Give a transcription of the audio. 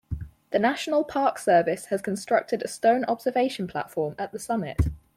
The National Park Service has constructed a stone observation platform at the summit.